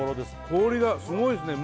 氷がすごいっすね